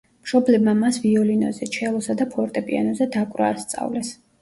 მშობლებმა მას ვიოლინოზე, ჩელოსა და ფორტეპიანოზე დაკვრა ასწავლეს.